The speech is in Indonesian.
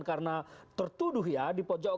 karena tertuduh ya di pojok